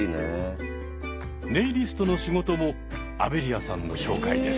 ネイリストの仕事もアベリアさんの紹介です。